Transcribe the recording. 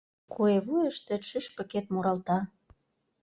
Куэ вуйыштет шӱшпыкет муралта